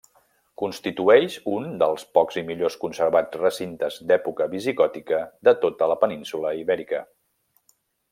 Constitueix un dels pocs i millors conservats recintes d'època visigòtica de tota la península Ibèrica.